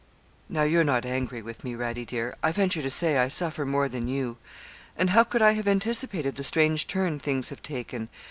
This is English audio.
'Now, you're not angry with me, Radie dear; I venture to say I suffer more than you: and how could I have anticipated the strange turn things have taken?